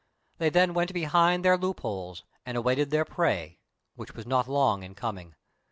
They then went behind their loop holes, and awaited their prey, which was not long in coming.